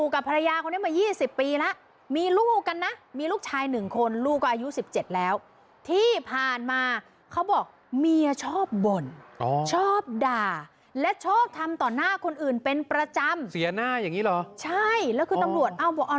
กลายด้วย